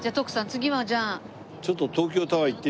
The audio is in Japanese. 次はじゃあ。